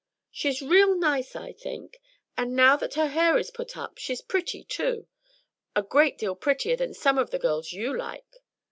She's real nice, I think, and now that her hair is put up, she's pretty too, a great deal prettier than some of the girls you like.